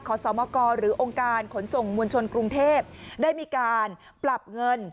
ขอสมกหรือองค์การขนส่งมวลชนกรุงเทพได้มีการปรับเงิน